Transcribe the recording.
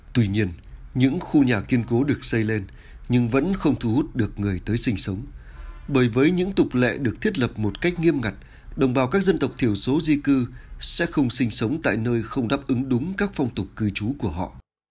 tuy nhiên những khu nhà kiên cố được xây lên nhưng vẫn không thu hút được người tới sinh sống bởi với những tục lệ được thiết lập một cách nghiêm ngặt đồng bào các dân tộc thiểu số di cư sẽ không sinh sống tại nơi không đáp ứng đúng các phong tục cư trú của họ